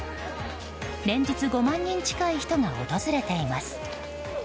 連日５万人近い人が訪れています。